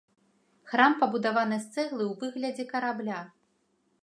Храм пабудаваны з цэглы ў выглядзе карабля.